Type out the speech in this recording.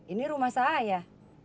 ini rumah saya